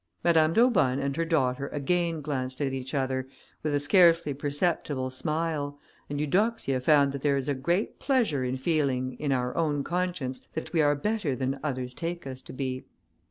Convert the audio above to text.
Madame d'Aubonne and her daughter again glanced at each other, with a scarcely perceptible smile, and Eudoxia found that there is a great pleasure in feeling, in our own conscience, that we are better than others take us to be.